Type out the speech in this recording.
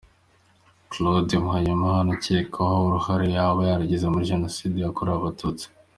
Claude Muhayimana ukekwaho uruhare yaba yaragize muri Jenoside yakorewe Abatutsi.